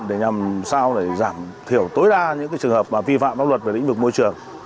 để nhằm giảm thiểu tối đa những trường hợp vi phạm pháp luật về lĩnh vực môi trường